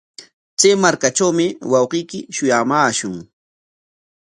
Chay markatrawmi wawqiyki shuyamaashun.